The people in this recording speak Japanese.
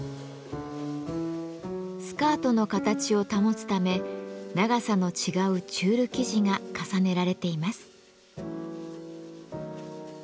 スカートの形を保つため長さの違うチュール生地が重ねられています。